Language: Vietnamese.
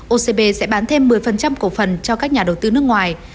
ocb sẽ bán thêm một mươi cổ phần cho các nhà đầu tư nước ngoài